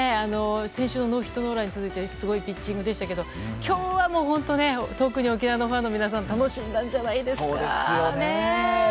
先週のノーヒットノーランに続いてすごいピッチングでしたけど今日はもう本当に特に沖縄のファンの皆さん楽しんだんじゃないですか。